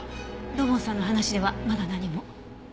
土門さんの話ではまだ何も。